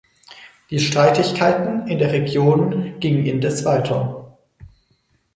Die Streitigkeiten in der Region gingen indes weiter.